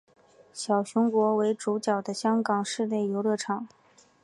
小熊国为主角的香港室内游乐场。